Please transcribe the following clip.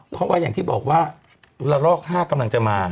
เพราะว่าอย่างที่บอกว่าระลอก๕กำลังจะมา